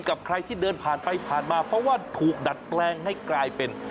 กับใครที่เดินผ่านไปผ่านมาเพราะว่าถูกดัดแปลงให้กลายเป็น